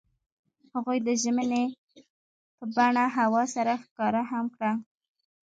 هغوی د ژمنې په بڼه هوا سره ښکاره هم کړه.